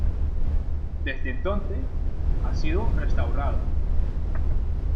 Desde entonces, ha sido restaurada.